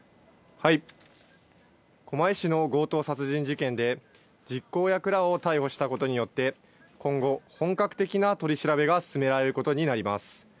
狛江市の強盗殺人事件で、実行役らを逮捕したことによって、今後、本格的な取り調べが進められることになります。